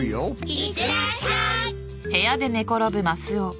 いってらっしゃい。